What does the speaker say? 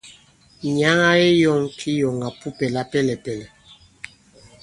Nyǎŋ a keyɔ̂ŋ kiyɔ̀ŋàpupɛ̀ lapɛlɛ̀pɛ̀lɛ̀.